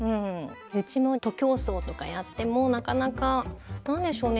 うちも徒競走とかやってもなかなか何でしょうね